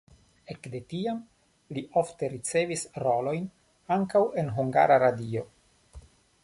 Ekde tiam li ofte ricevis rolojn ankaŭ en Hungara Radio.